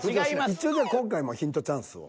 一応じゃあ今回もヒントチャンスを。